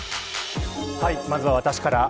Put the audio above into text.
まずは私から。